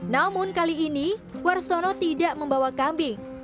namun kali ini warsono tidak membawa kambing